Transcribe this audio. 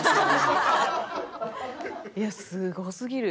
いやすごすぎる。